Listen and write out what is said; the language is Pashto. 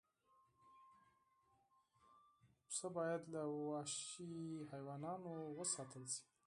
پسه باید له وحشي حیواناتو وساتل شي.